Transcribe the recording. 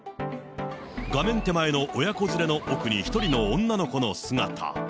画面手前の親子連れの奥に１人の女の子の姿。